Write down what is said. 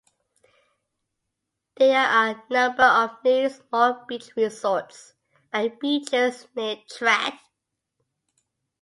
There are a number of new small beach resorts at beaches near Trat.